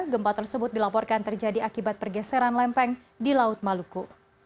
gempa tersebut dilaporkan terjadi akibat pergeseran lempeng di laut maluku